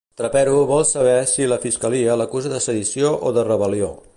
Trapero vol saber si la fiscalia l'acusa de sedició o de rebel·lió.